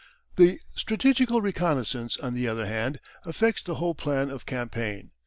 The strategical reconnaissance, on the other hand, affects the whole plan of campaign.